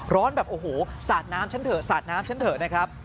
ร้อนแบบโอ้โหสาดน้ำฉันเถอะนะครับ